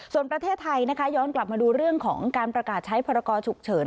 ส่วนประเทศไทยนะคะย้อนกลับมาดูเรื่องของการประกาศใช้พรกรฉุกเฉิน